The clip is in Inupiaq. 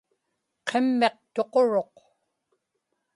qimmiq tuquruq